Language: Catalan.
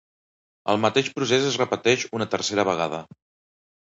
El mateix procés es repeteix una tercera vegada.